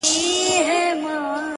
موږ په پښتو کې ډیر ځله